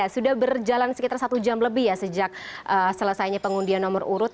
sudah berjalan sekitar satu jam lebih ya sejak selesainya pengundian nomor urut